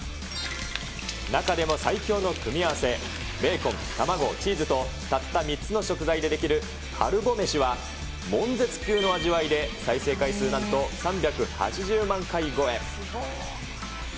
中でも最強の組み合わせ、ベーコン、卵、チーズとたった３つの食材で出来るカルボ飯は、もん絶級の味わいで、再生回数なんと３８０万回超え。